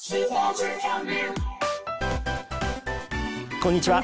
こんにちは。